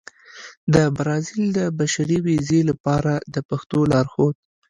د برازيل د بشري ویزې لپاره د پښتو لارښود